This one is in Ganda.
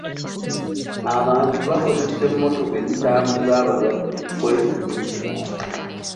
Abantu bakozesa emmotoka ezitambuza abalwadde okukola emirimu gyabwe.